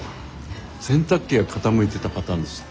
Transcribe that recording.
洗濯機が傾いてたパターンでした。